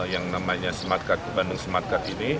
yang namanya bandung smartcard ini